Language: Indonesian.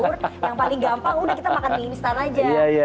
yang paling gampang udah kita makan mie instan aja